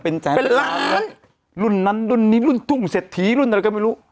เป็นแสนเป็นล้านรุ่นนั้นรุ่นนี้รุ่นทุ่งเศรษฐีรุ่นอะไรก็ไม่รู้